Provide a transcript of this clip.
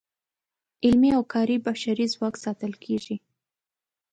علمي او کاري بشري ځواک ساتل کیږي.